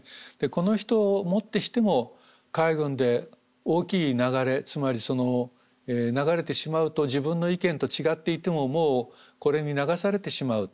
この人をもってしても海軍で大きい流れつまり流れてしまうと自分の意見と違っていてももうこれに流されてしまう。